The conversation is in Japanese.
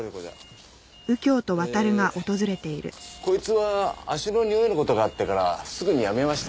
えーこいつは足のにおいの事があってからすぐに辞めました。